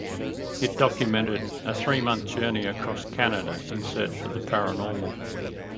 It documented a three-month journey across Canada in search for the paranormal.